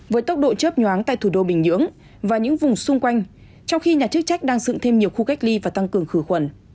với tốc độ chấp nhoáng tại thủ đô bình nhưỡng và những vùng xung quanh trong khi nhà chức trách đang dựng thêm nhiều khu cách ly và tăng cường khử khuẩn